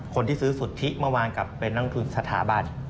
คนที่ซื้อสุทธิเมื่อวานกลับเป็นนักทุนสถาบัน